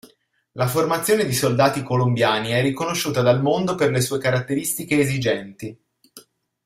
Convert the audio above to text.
La formazione di soldati colombiani è riconosciuta dal mondo per le sue caratteristiche esigenti.